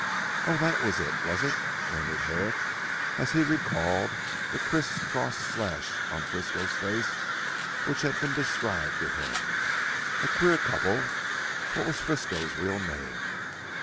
"Oh, that was it, was it?" murmured Herrick as he recalled the criss cross slash on Frisco's face which had been described to him. "A queer couple. What was Frisco's real name?"